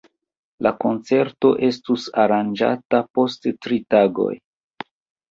La koncerto estus aranĝata post tri tagoj.